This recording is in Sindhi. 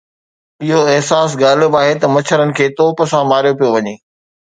اهو احساس غالب آهي ته مڇرن کي توپ سان ماريو پيو وڃي.